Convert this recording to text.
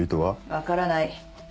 分からない。